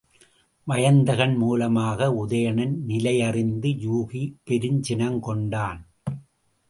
வயந்தகன் மூலமாக உதயணன் நிலையறிந்த யூகி பெருஞ்சினங்கொண்டான்.